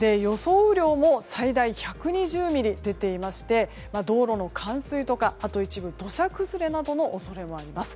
雨量も最大１２０ミリ出ていまして道路の冠水とか一部土砂崩れなどの恐れもあります。